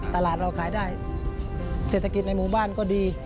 ตลาดเราขายได้เศรษฐกิจในหมู่บ้านก็ดี